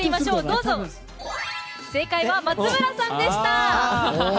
正解は、松村さんでした。